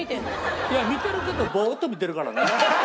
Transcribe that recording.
いや見てるけどボーッと見てるからね。